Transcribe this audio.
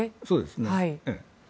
そうですね。